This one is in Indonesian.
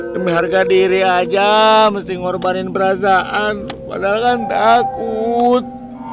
demi harga diri aja mesti ngorbanin perasaan padahal kan takut